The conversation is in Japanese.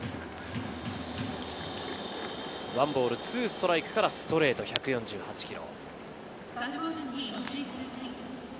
１ボール２ストライクからストレート、１４８キロ。